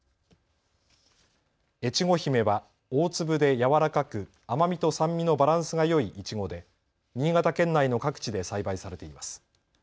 越後姫は大粒でやわらかく甘みと酸味のバランスがよいいちごで新潟県内の各地で栽培されています。